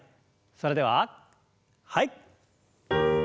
それでははい。